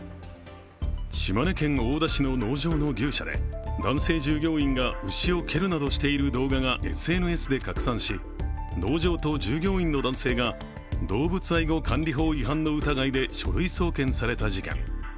島根県大田市の農場の牛舎で、男性従業員が牛を蹴るなどしている動画がＳＮＳで拡散し農場と従業員の男性が動物愛護管理法違反の疑いで書類送検された事件。